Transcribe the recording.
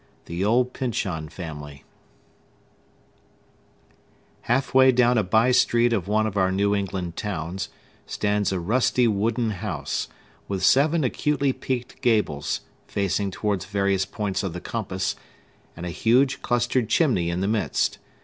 The Old Pyncheon Family Halfway down a by street of one of our New England towns stands a rusty wooden house, with seven acutely peaked gables, facing towards various points of the compass, and a huge, clustered chimney in the midst.